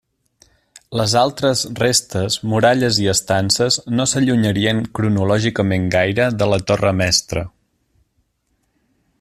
Les altres restes, muralles i estances, no s'allunyarien cronològicament gaire de la torre mestra.